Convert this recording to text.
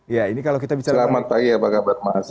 selamat pagi apa kabar mas